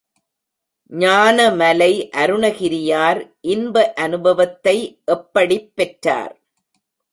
ஞான மலை அருணகிரியார் இன்ப அநுபவத்தை எப்படிப் பெற்றார்?